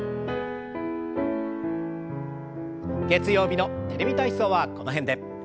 月曜日の「テレビ体操」はこの辺で。